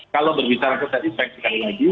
kalau berbicara tentang efek sekali lagi